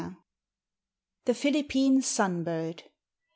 THE PHILIPPINE SUN BIRD.